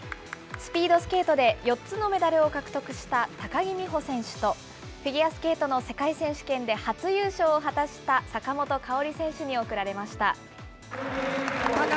スピードスケートで４つのメダルを獲得した高木美帆選手と、フィギュアスケートの世界選手権で初優勝を果たした、坂本花織選手に贈られました。